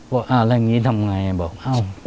บอกอะไรอย่างนี้ทำไงบอกเอ้า